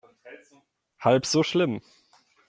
Halb so schlimm.